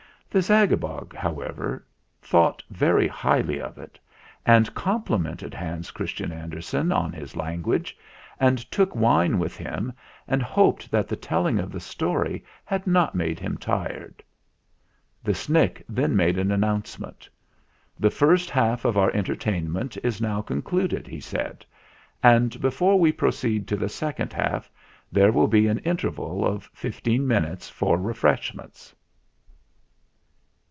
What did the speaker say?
The Zagabog, however, thought very highly 134 THE FLINT HEART of it, and complimented Hans Christian Ander sen on his language, and took wine with him, and hoped that the telling the story had not made him tired. The Snick then made an announcement. "The first half of our entertainment is now concluded," he said, "and before we proceed to the second half there will be an interval of fifteen minutes for refreshments."